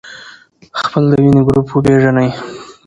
خپل د وینې ګروپ وپېژنئ.